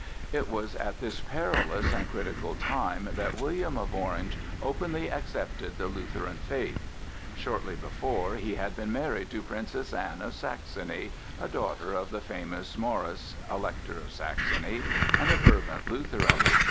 It was at this perilous and critical time that William of Orange openly accepted the Lutheran faith. Shortly before, he had been married to Princess Anne of Saxony, a daughter of the famous Maurice, Elector of Saxony, and a fervent Lutheran.